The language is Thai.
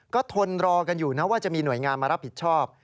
ก็ทนรอกันอยู่นะว่าจะมีหน่วยงานมารับผิดชอบ